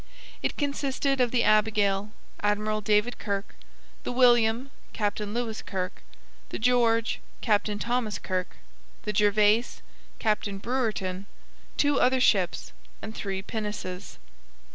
It consisted of the Abigail, Admiral David Kirke, the William, Captain Lewis Kirke, the George, Captain Thomas Kirke, the Gervase, Captain Brewerton, two other ships, and three pinnaces.